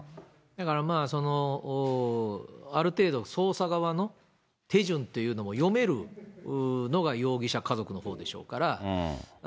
だからまあ、ある程度、捜査側の手順というのも読めるというのが容疑者家族のほうでしょうから。